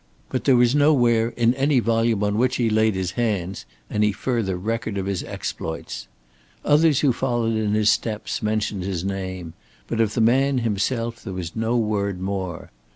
But there was nowhere in any volume on which he laid his hands any further record of his exploits. Others who followed in his steps mentioned his name, but of the man himself there was no word more.